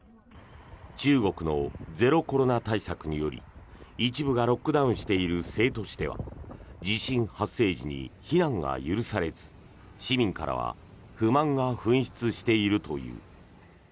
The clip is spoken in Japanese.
中国のゼロコロナ対策により一部がロックダウンしている成都市では地震発生時に避難が許されず市民からは不満が噴出しているという。